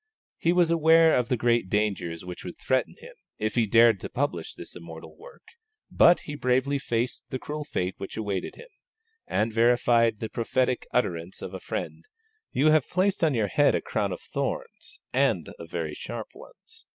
He was aware of the great dangers which would threaten him, if he dared to publish this immortal work; but he bravely faced the cruel fate which awaited him, and verified the prophetic utterance of a friend, "You have placed on your head a crown of thorns, and of very sharp ones."